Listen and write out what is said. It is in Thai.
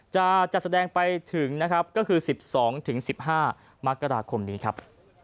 จะแสดงไปถึง๑๒๑๕มกราคมนี้ครับ